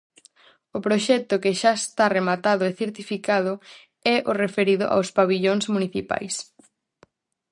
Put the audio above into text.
O proxecto que xa está rematado e certificado é o referido aos pavillóns municipais.